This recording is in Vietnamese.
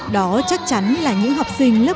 đó chắc chắn là những học sinh lớp một